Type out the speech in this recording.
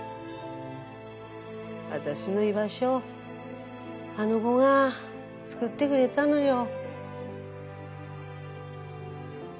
私の居場所あの子が作ってくれたのよ。